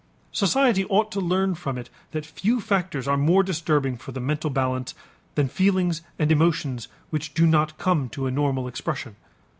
Society ought to learn from it that few factors are more disturbing for the mental balance than feelings and emotions which do not come to a normal expression.